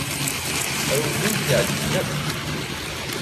Awi win i k-iɛejben akk.